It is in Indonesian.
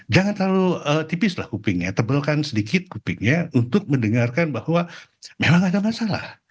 jangan terlalu tipis lah kupingnya tebalkan sedikit kupingnya untuk mendengarkan bahwa memang ada masalah